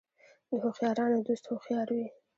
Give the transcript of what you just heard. د هوښیارانو دوست هوښیار وي .